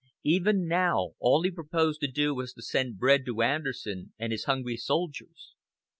Even now, all he proposed to do was to send bread to Anderson and his hungry soldiers.